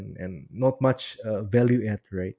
dan tidak banyak yang berharga